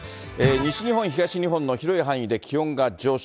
西日本、東日本の広い範囲で気温が上昇。